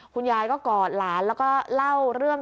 คุณยายก็กอดหลานแล้วก็เล่าเรื่อง